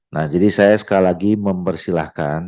nah jadi saya sekali lagi mempersilahkan